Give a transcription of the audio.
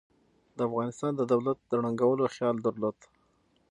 د افغانستان د دولت د ړنګولو خیال درلود.